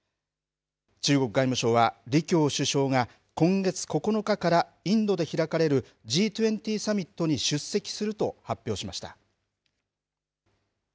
中国外務省は、李強首相が今月９日からインドで開かれるＧ２０サミットに出席すると発表しました。